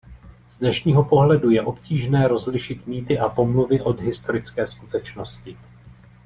Z dnešního pohledu je obtížné rozlišit mýty a pomluvy od historické skutečnosti.